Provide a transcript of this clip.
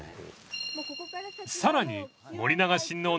［さらに］